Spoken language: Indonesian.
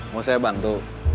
mau saya bantu